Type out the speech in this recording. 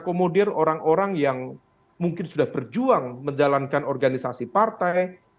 maka harusnya diakomodir orang orang yang mungkin sudah berjuang menjalankan organisasi partai